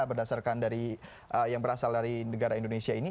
berdasarkan dari yang berasal dari negara indonesia ini